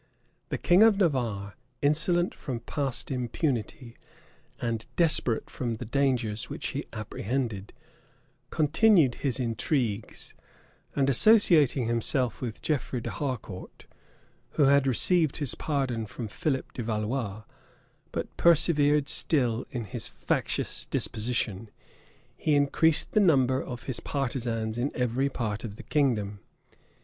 The king of Navarre, insolent from past impunity, and desperate from the dangers which he apprehended, continued his intrigues; and associating himself with Geoffrey d'Harcourt, who had received his pardon from Philip de Valois, but persevered still in his factious disposition, he increased the number of his partisans in every part of the kingdom.